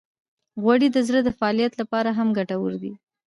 غوړې د زړه د فعالیت لپاره هم ګټورې دي.